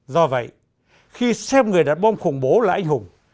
do vậy khi xem người đặt bom khủng bố là anh hùng